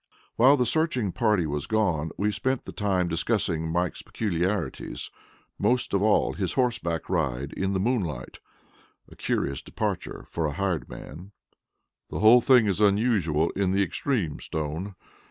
While the searching party was gone, we spent the time discussing Mike's peculiarities most of all his horseback ride in the moonlight, a curious departure for a hired man. "This whole thing is unusual in the extreme, Stone.